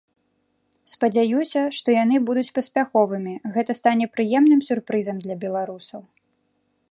Спадзяюся, што яны будуць паспяховымі, гэта стане прыемным сюрпрызам для беларусаў.